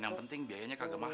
yaudah gak apa apa